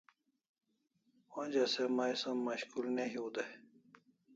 Onja se mai som mashkul ne hiu dai